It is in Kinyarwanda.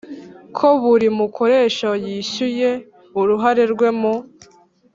ko buri mukoresha yishyuye uruhare rwe mu